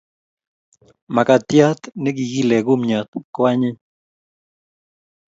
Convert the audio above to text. Makatiat ne kikiile kumnyat ko anyiny